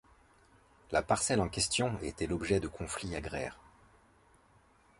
La parcelle en question était l'objet de conflit agraire.